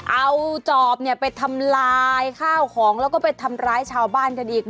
เอาจอบเนี่ยไปทำลายข้าวของแล้วก็ไปทำร้ายชาวบ้านกันอีก